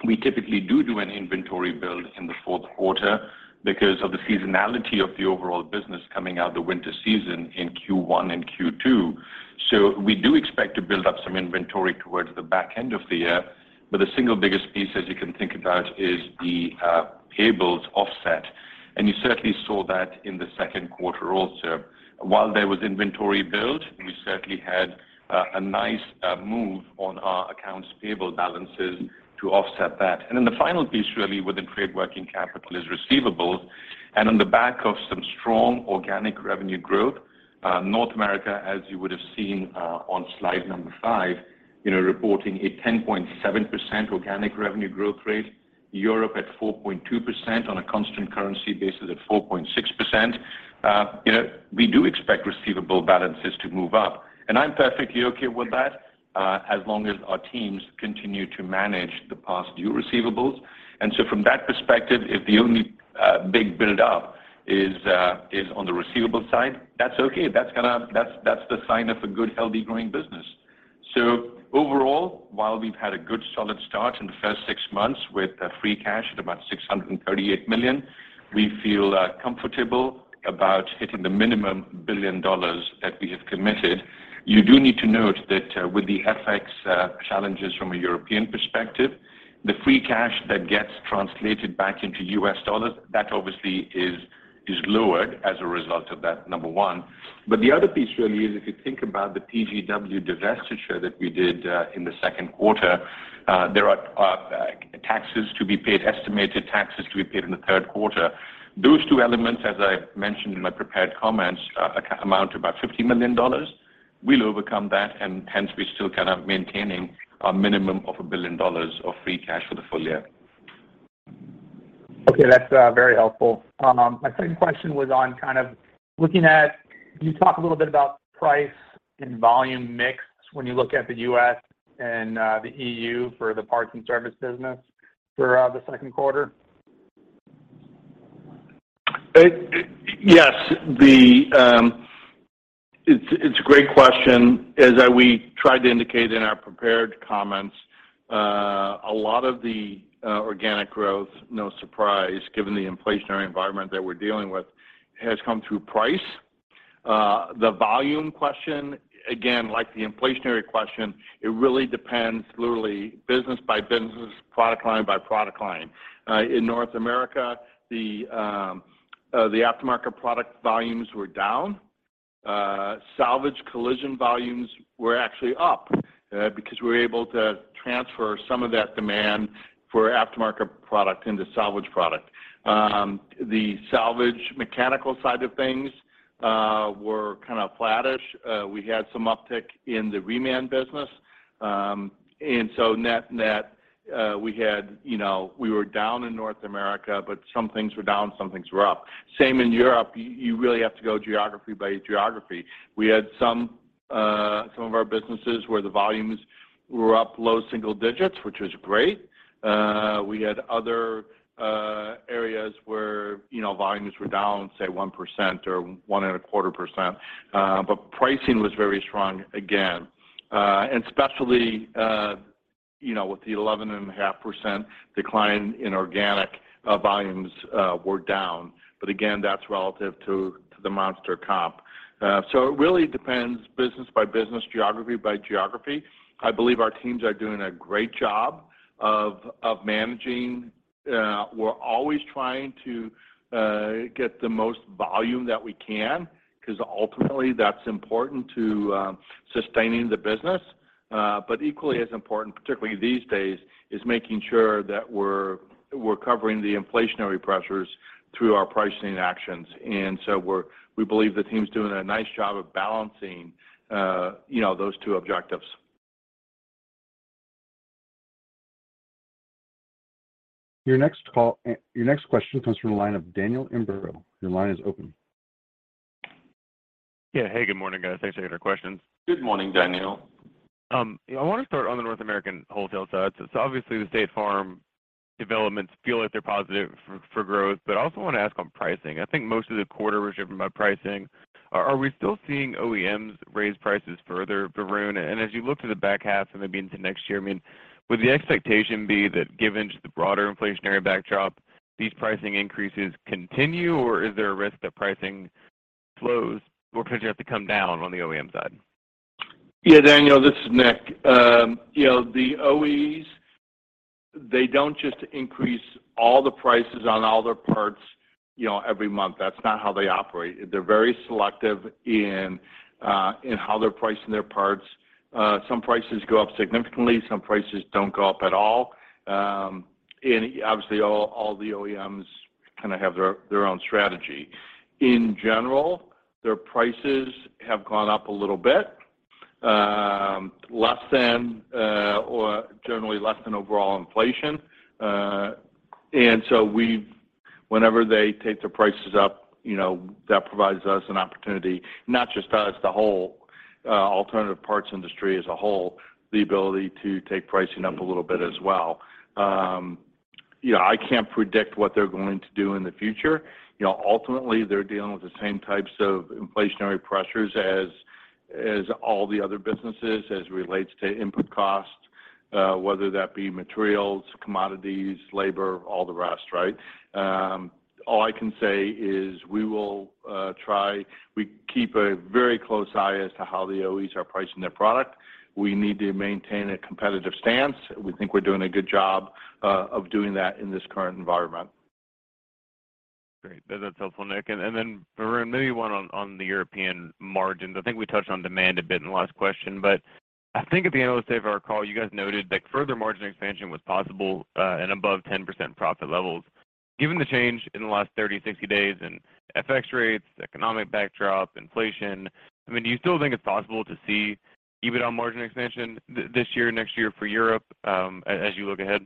we typically do an inventory build in the fourth quarter because of the seasonality of the overall business coming out of the winter season in Q1 and Q2. We do expect to build up some inventory towards the back end of the year. The single biggest piece, as you can think about, is the payables offset. You certainly saw that in the second quarter also. While there was inventory build, we certainly had a nice move on our accounts payable balances to offset that. The final piece really within trade working capital is receivables. On the back of some strong organic revenue growth, North America, as you would have seen, on slide number five, reporting a 10.7% organic revenue growth rate, Europe at 4.2% on a constant currency basis at 4.6%. You know, we do expect receivable balances to move up, and I'm perfectly okay with that, as long as our teams continue to manage the past due receivables. From that perspective, if the only big build-up is on the receivable side, that's okay. That's the sign of a good, healthy, growing business. Overall, while we've had a good solid start in the first six months with free cash at about $638 million, we feel comfortable about hitting the minimum $1 billion that we have committed. You do need to note that with the FX challenges from a European perspective, the free cash that gets translated back into US dollars, that obviously is lowered as a result of that, number one. The other piece really is if you think about the PGW divestiture that we did in the second quarter, there are taxes to be paid, estimated taxes to be paid in the third quarter. Those two elements, as I mentioned in my prepared comments, amount to about $50 million. We'll overcome that and hence we're still kind of maintaining our minimum of $1 billion of free cash for the full-year. Okay. That's very helpful. My second question was. Can you talk a little bit about price and volume mix when you look at the U.S. and the EU for the parts and service business for the second quarter? Yes. It's a great question. As we tried to indicate in our prepared comments, a lot of the organic growth, no surprise, given the inflationary environment that we're dealing with, has come through price. The volume question, again, like the inflationary question, it really depends literally business by business, product line by product line. In North America, the aftermarket product volumes were down. Salvage collision volumes were actually up, because we were able to transfer some of that demand for aftermarket product into salvage product. The salvage mechanical side of things were kind of flattish. We had some uptick in the reman business. Net-net, we had, you know, we were down in North America, but some things were down, some things were up. Same in Europe. You really have to go geography by geography. We had some of our businesses where the volumes were up low single digits, which was great. We had other areas where, you know, volumes were down, say 1% or 1.25%. Pricing was very strong again. Especially, you know, with the 11.5% decline in organic volumes were down. Again, that's relative to the monster comp. It really depends business by business, geography by geography. I believe our teams are doing a great job of managing. We're always trying to get the most volume that we can 'cause ultimately that's important to sustaining the business. Equally as important, particularly these days, is making sure that we're covering the inflationary pressures through our pricing actions. We believe the team's doing a nice job of balancing, you know, those two objectives. Your next call, your next question comes from the line of Daniel Imbro. Your line is open. Yeah. Hey, good morning, guys. Thanks for taking our questions. Good morning, Daniel. Yeah, I wanna start on the North American wholesale side. Obviously the State Farm developments feel like they're positive for growth, but I also wanna ask on pricing. I think most of the quarter was driven by pricing. Are we still seeing OEMs raise prices further, Varun? As you look to the back half and maybe into next year, I mean, would the expectation be that given just the broader inflationary backdrop, these pricing increases continue, or is there a risk that pricing slows or could you have to come down on the OEM side? Yeah, Daniel, this is Nick. You know, the OEs, they don't just increase all the prices on all their parts, you know, every month. That's not how they operate. They're very selective in how they're pricing their parts. Some prices go up significantly, some prices don't go up at all. And obviously all the OEMs kind of have their own strategy. In general, their prices have gone up a little bit, less than or generally less than overall inflation. And so whenever they take the prices up, you know, that provides us an opportunity, not just us, the whole alternative parts industry as a whole, the ability to take pricing up a little bit as well. You know, I can't predict what they're going to do in the future. You know, ultimately, they're dealing with the same types of inflationary pressures as all the other businesses as it relates to input costs, whether that be materials, commodities, labor, all the rest, right? All I can say is we will try. We keep a very close eye as to how the OEs are pricing their product. We need to maintain a competitive stance. We think we're doing a good job of doing that in this current environment. Great. That's helpful, Nick. Varun, maybe one on the European margins. I think we touched on demand a bit in the last question, but I think at the end of the day of our call, you guys noted that further margin expansion was possible, and above 10% profit levels. Given the change in the last 30, 60 days in FX rates, economic backdrop, inflation, I mean, do you still think it's possible to see EBITDA margin expansion this year, next year for Europe, as you look ahead?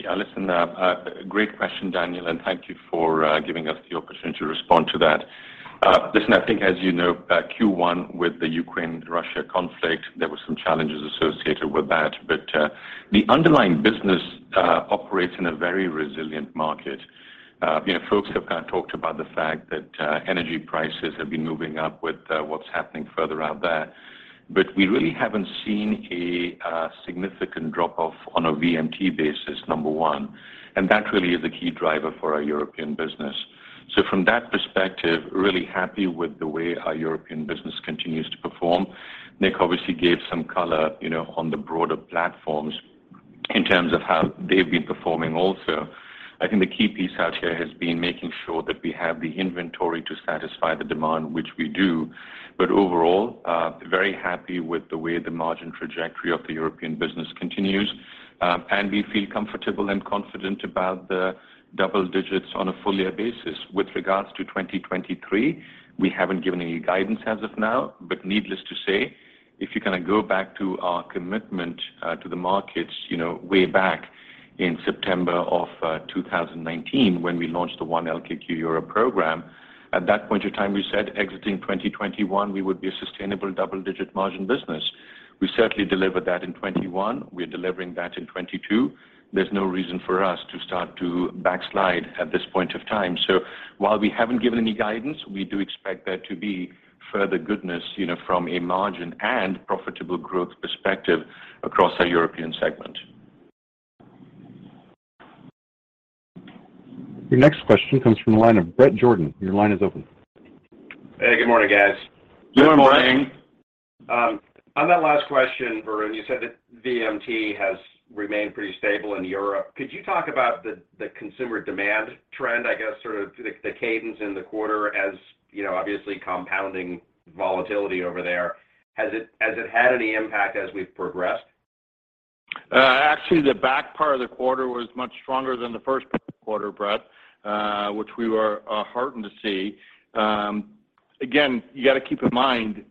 Yeah. Listen, great question, Daniel, and thank you for giving us the opportunity to respond to that. Listen, I think as you know, Q1 with the Ukraine-Russia conflict, there were some challenges associated with that. The underlying business operates in a very resilient market. You know, folks have kind of talked about the fact that energy prices have been moving up with what's happening further out there. We really haven't seen a significant drop-off on a VMT basis, number one, and that really is a key driver for our European business. From that perspective, really happy with the way our European business continues to perform. Nick obviously gave some color, you know, on the broader platforms in terms of how they've been performing also. I think the key piece out here has been making sure that we have the inventory to satisfy the demand, which we do. Overall, very happy with the way the margin trajectory of the European business continues. We feel comfortable and confident about the double digits on a full-year basis. With regards to 2023, we haven't given any guidance as of now. Needless to say, if you kind of go back to our commitment, to the markets, you know, way back in September of, 2019 when we launched the 1 LKQ Europe program. At that point in time, we said exiting 2021, we would be a sustainable double-digit margin business. We certainly delivered that in 2021. We're delivering that in 2022. There's no reason for us to start to backslide at this point of time. While we haven't given any guidance, we do expect there to be further goodness, you know, from a margin and profitable growth perspective across our European segment. Your next question comes from the line of Bret Jordan. Your line is open. Hey, good morning, guys. Good morning. Good morning. On that last question, Varun, you said that VMT has remained pretty stable in Europe. Could you talk about the consumer demand trend, I guess, sort of the cadence in the quarter as, you know, obviously compounding volatility over there. Has it had any impact as we've progressed? Actually, the back part of the quarter was much stronger than the first part of the quarter, Bret, which we were heartened to see. Again, you got to keep in mind,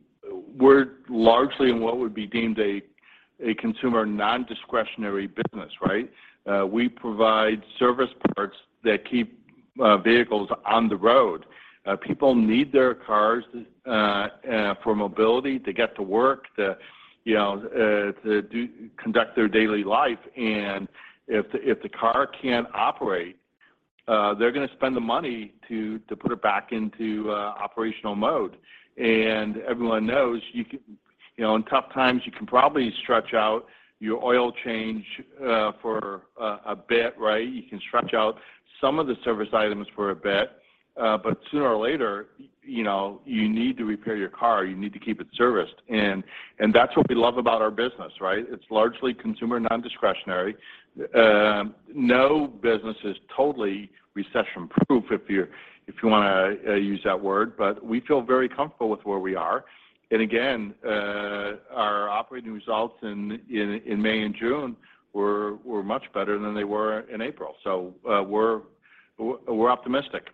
we're largely in what would be deemed a consumer non-discretionary business, right? We provide service parts that keep vehicles on the road. People need their cars for mobility to get to work, to you know, to conduct their daily life. If the car can't operate, they're gonna spend the money to put it back into operational mode. Everyone knows, you know, in tough times, you can probably stretch out your oil change for a bit, right? You can stretch out some of the service items for a bit, but sooner or later, you know, you need to repair your car, you need to keep it serviced. That's what we love about our business, right? It's largely consumer non-discretionary. No business is totally recession-proof if you wanna use that word, but we feel very comfortable with where we are. Again, our operating results in May and June were much better than they were in April. We're optimistic.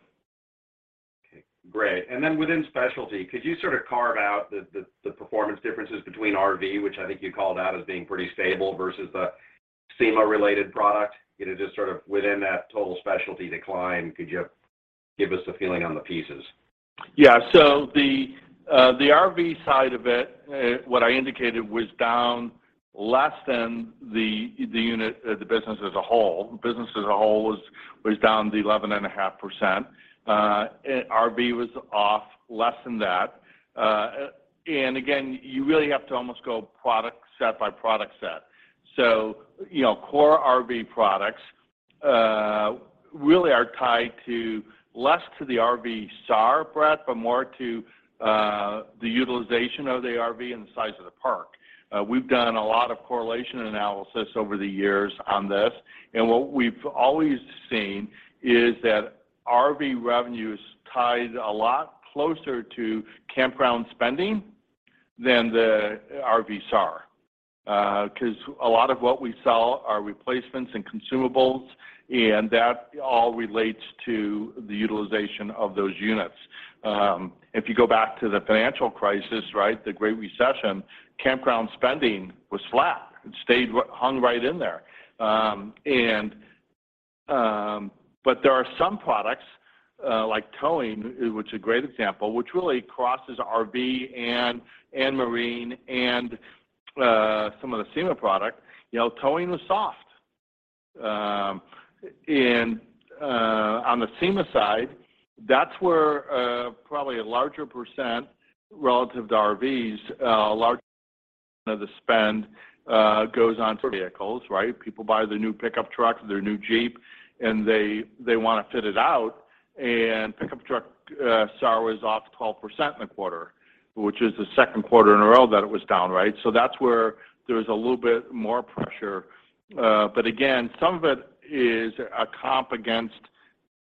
Great. Then within specialty, could you sort of carve out the performance differences between RV, which I think you called out as being pretty stable, versus the SEMA-related product? You know, just sort of within that total specialty decline, could you give us a feeling on the pieces? Yeah. The RV side of it, what I indicated was down less than the unit, the business as a whole. The business as a whole was down 11.5%. RV was off less than that. Again, you really have to almost go product set by product set. You know, core RV products really are tied less to the RV SAR breadth, but more to the utilization of the RV and the size of the park. We've done a lot of correlation analysis over the years on this, and what we've always seen is that RV revenue is tied a lot closer to campground spending than the RV SAR. 'Cause a lot of what we sell are replacements and consumables, and that all relates to the utilization of those units. If you go back to the financial crisis, right, the Great Recession, campground spending was flat. It stayed right in there. There are some products, like towing, which is a great example, which really crosses RV and marine and some of the SEMA product. You know, towing was soft. On the SEMA side, that's where probably a larger percent relative to RVs, a large of the spend goes onto vehicles, right? People buy their new pickup truck, their new Jeep, and they wanna fit it out. Pickup truck SAR was off 12% in the quarter, which is the second quarter in a row that it was down, right? That's where there's a little bit more pressure. Again, some of it is a comp against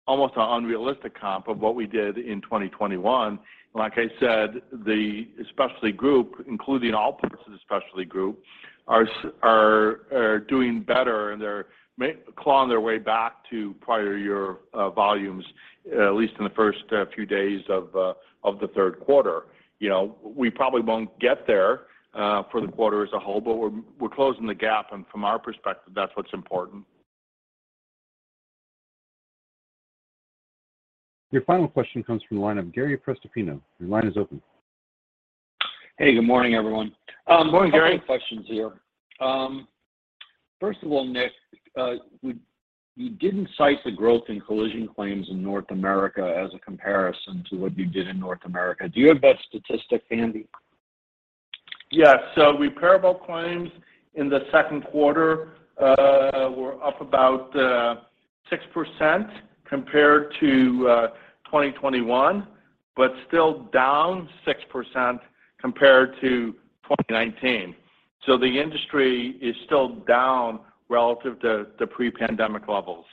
almost an unrealistic comp of what we did in 2021. Like I said, the specialty group, including all parts of the specialty group, are doing better, and they're clawing their way back to prior year volumes, at least in the first few days of the third quarter. You know, we probably won't get there for the quarter as a whole, but we're closing the gap, and from our perspective, that's what's important. Your final question comes from the line of Gary Prestopino. Your line is open. Hey, good morning, everyone. Good morning, Gary. A couple questions here. First of all, Nick, you didn't cite the growth in collision claims in North America as a comparison to what you did in North America. Do you have that statistic handy? Repairable claims in the second quarter were up about 6% compared to 2021, but still down 6% compared to 2019. The industry is still down relative to the pre-pandemic levels.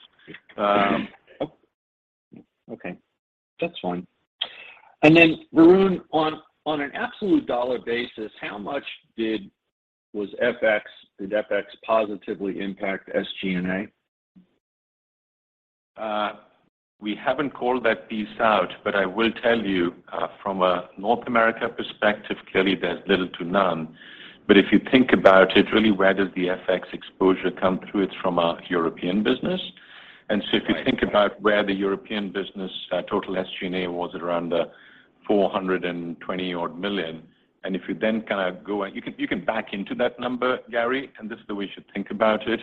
Okay. That's fine. Varun, on an absolute dollar basis, how much did FX positively impact SG&A? We haven't called that piece out, but I will tell you from a North America perspective, clearly there's little to none. If you think about it, really where does the FX exposure come through? It's from our European business. If you think about where the European business total SG&A was at around $420 million. If you then kinda go, you can back into that number, Gary, and this is the way you should think about it.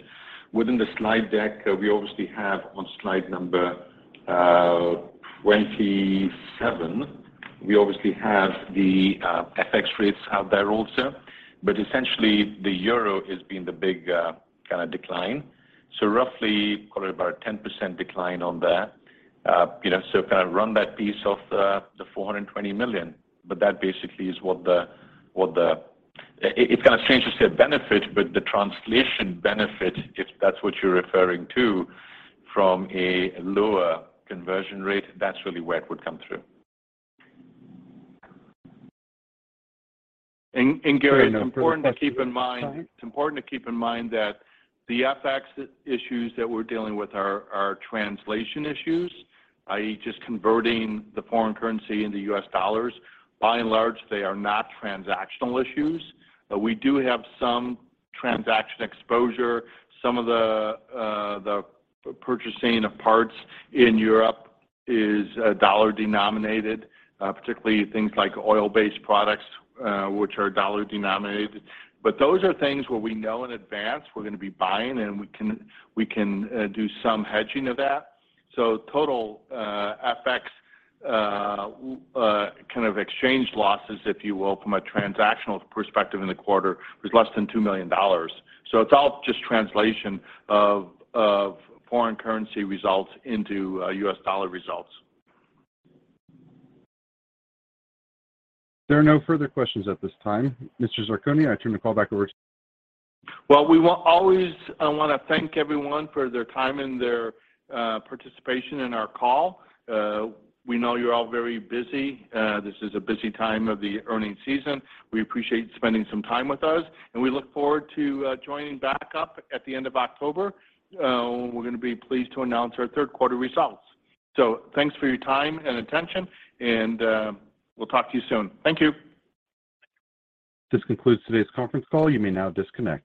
Within the slide deck, we obviously have on slide number 27, we obviously have the FX rates out there also. Essentially the euro has been the big kinda decline. Roughly call it about a 10% decline on there. You know, kind of run that piece of the $420 million. That basically is what the. It's kinda strange to say a benefit, but the translation benefit, if that's what you're referring to, from a lower conversion rate, that's really where it would come through. Gary, it's important to keep in mind. There are no further questions at this time. It's important to keep in mind that the FX issues that we're dealing with are translation issues, i.e., just converting the foreign currency into U.S. dollars. By and large, they are not transactional issues. We do have some transaction exposure. Some of the purchasing of parts in Europe is dollar-denominated, particularly things like oil-based products, which are dollar-denominated. Those are things where we know in advance we're gonna be buying, and we can do some hedging of that. Total FX kind of exchange losses, if you will, from a transactional perspective in the quarter was less than $2 million. It's all just translation of foreign currency results into U.S. dollar results. There are no further questions at this time. Mr. Zarcone, I turn the call back over to you. Well, we always wanna thank everyone for their time and their participation in our call. We know you're all very busy. This is a busy time of the earnings season. We appreciate you spending some time with us, and we look forward to joining back up at the end of October, when we're gonna be pleased to announce our third quarter results. Thanks for your time and attention, and we'll talk to you soon. Thank you. This concludes today's conference call. You may now disconnect.